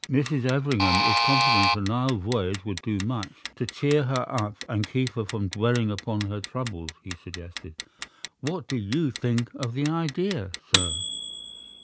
"Mrs. Everingham is confident a Nile voyage would do much to cheer her up and keep her from dwelling upon her troubles," he suggested. "What do you think of the idea, sir?"